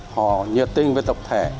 họ nhiệt tình với tập thể